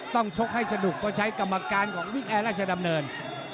ต้องชกให้สนุกก็ใช้กรรมการของวิกแอร์และชะดำเนิน